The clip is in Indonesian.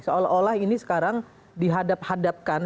seolah olah ini sekarang dihadap hadapkan